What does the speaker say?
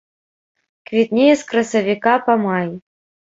Квітнее з красавіка па май.